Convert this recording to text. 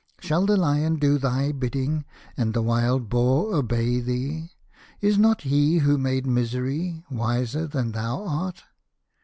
Shall the lion do thy bidding, and the wild boar obey thee ? Is not He who made misery wiser than thou art